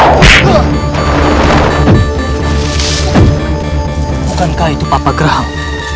bukankah itu papa gerhang